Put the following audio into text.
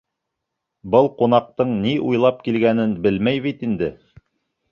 Был ҡунаҡтың ни уйлап килгәнен белмәй бит инде.